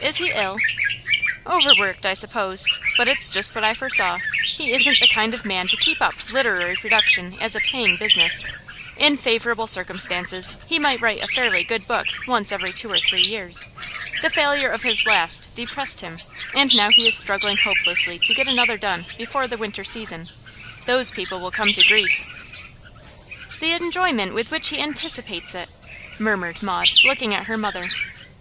'Is he ill?' 'Overworked, I suppose. But it's just what I foresaw. He isn't the kind of man to keep up literary production as a paying business. In favourable circumstances he might write a fairly good book once every two or three years. The failure of his last depressed him, and now he is struggling hopelessly to get another done before the winter season. Those people will come to grief.' 'The enjoyment with which he anticipates it!' murmured Maud, looking at her mother.